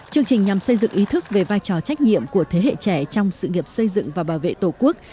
chương trình nhằm xây dựng ý thức về vai trò trách nhiệm của thế hệ trẻ trong sự nghiệp xây dựng và bảo vệ tổ quốc